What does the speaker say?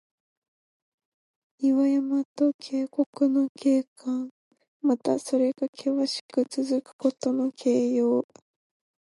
岩山と渓谷の景観。また、それがけわしくつづくことの形容。